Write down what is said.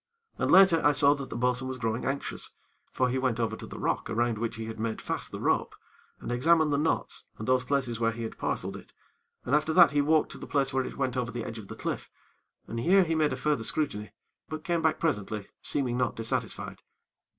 And later I saw that the bo'sun was growing anxious; for he went over to the rock around which he had made fast the rope, and examined the knots, and those places where he had parceled it, and after that he walked to the place where it went over the edge of the cliff, and here he made a further scrutiny; but came back presently, seeming not dissatisfied.